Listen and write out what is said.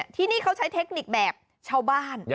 ที่นี่เขาใช้เทคนิคแบบชาวบ้าน